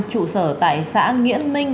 trụ sở tại xã nghĩa minh